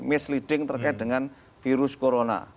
misleading terkait dengan virus corona